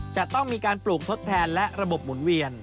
จะต้องมีการปลูกทดแทนและระบบหมุนเวียน